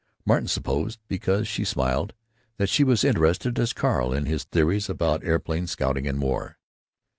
Martin supposed, because she smiled, that she was as interested as Carl in his theories about aeroplane scouting in war.